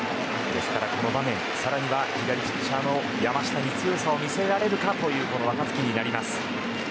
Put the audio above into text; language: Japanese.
ですからこの場面更には左ピッチャーの山下に強さを見せられるかという若月。